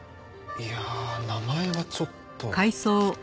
いやあ名前はちょっと。